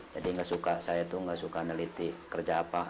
jadi gak suka saya tuh gak suka neliti kerja apa